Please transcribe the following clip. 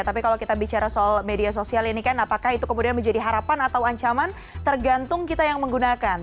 tapi kalau kita bicara soal media sosial ini kan apakah itu kemudian menjadi harapan atau ancaman tergantung kita yang menggunakan